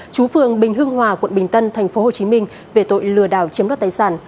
chú phương bình hương hòa quận bình tân tp hcm về tội lừa đảo chiếm đoạt tài sản